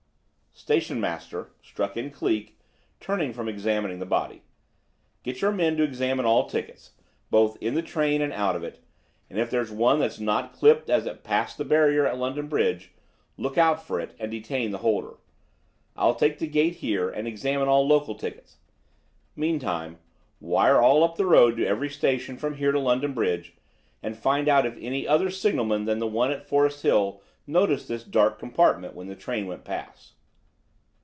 "Station master," struck in Cleek, turning from examining the body, "get your men to examine all tickets, both in the train and out of it, and if there's one that's not clipped as it passed the barrier at London Bridge, look out for it, and detain the holder. I'll take the gate here, and examine all local tickets. Meantime, wire all up the road to every station from here to London Bridge, and find out if any other signalman than the one at Forest Hill noticed this dark compartment when the train went past."